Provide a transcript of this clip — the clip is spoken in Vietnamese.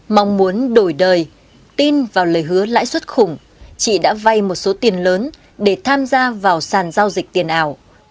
mong muốn đổi đời tin vào lời hứa lãi suất khủng chị đã vay một số tiền lớn để tham gia vào sàn giao dịch tiền ảo